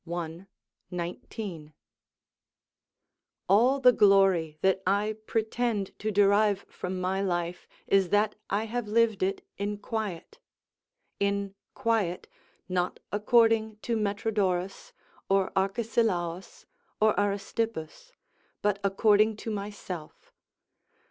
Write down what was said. i. 19.] All the glory that I pretend to derive from my life is that I have lived it in quiet; in quiet, not according to Metrodorus, or Arcesilaus, or Aristippus, but according to myself.